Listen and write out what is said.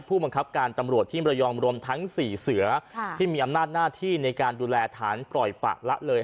ผู้บังคับการตำรวจที่มรยองรวมทั้ง๔เสือที่มีอำนาจหน้าที่ในการดูแลฐานปล่อยปะละเลย